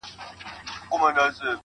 گرانه شاعره صدقه دي سمه